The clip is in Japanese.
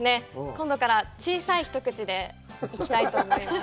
今度から小さい一口でいきたいと思います。